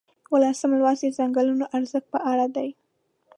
یوولسم لوست د څنګلونو ارزښت په اړه دی.